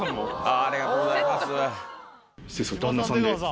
ありがとうございます。